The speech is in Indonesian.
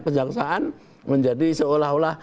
kejaksaan menjadi seolah olah